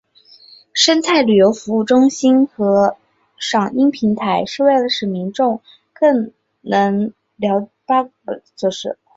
生态旅游服务中心和赏鹰平台是为了使民众能更解八卦山生态所设。